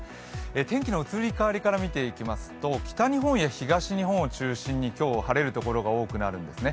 天気の移り変わりから見ていきますと北日本や東日本を中心に今日は晴れるところが多くなるんですね。